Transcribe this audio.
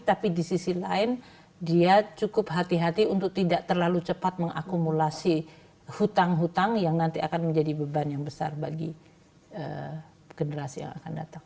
tapi di sisi lain dia cukup hati hati untuk tidak terlalu cepat mengakumulasi hutang hutang yang nanti akan menjadi beban yang besar bagi generasi yang akan datang